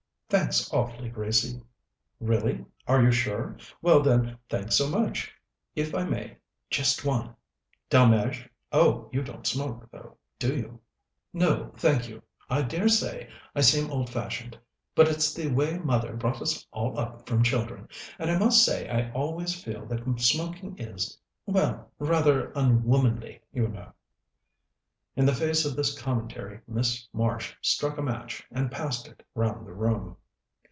"Thanks awfully, Gracie." "Really? Are you sure? Well, then, thanks so much, if I may just one." "Delmege? Oh, you don't smoke, though, do you?" "No, thank you. I dare say I seem old fashioned, but it's the way mother brought us all up from children, and I must say I always feel that smoking is well, rather unwomanly, you know." In the face of this commentary Miss Marsh struck a match, and passed it round the room.